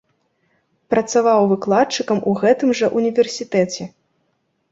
Працаваў выкладчыкам у гэтым жа ўніверсітэце.